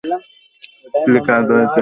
পিলে কাজ হয়েছে।